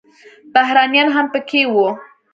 بهرنیان هم پکې وو.